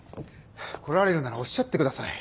来られるならおっしゃってください。